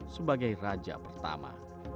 sebagai raja pertama